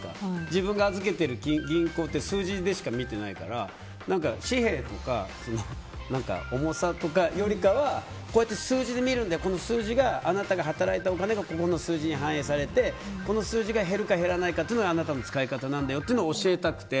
自分が預けてる銀行って数字でしか見てないから紙幣とか重さとかよりかはこうやって数字で見るんだよ、この数字があなたが働いたお金がここの数字に反映されてこの数字が減るか減らないかがあなたの使い方なんだよって教えたくて。